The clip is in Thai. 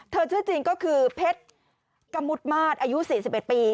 ชื่อจริงก็คือเพชรกะมุดมาตรอายุ๔๑ปี